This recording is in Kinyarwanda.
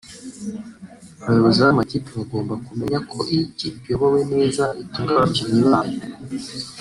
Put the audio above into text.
Abayobozi b’amakipe bagomba kumenya ko iyo ikipe iyobowe neza itunga abakinnyi bayo